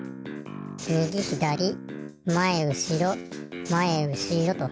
みぎひだりまえうしろまえうしろと。